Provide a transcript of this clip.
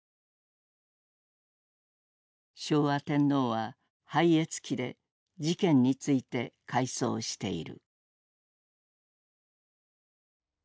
昭和天皇は「拝謁記」で事件について回想している。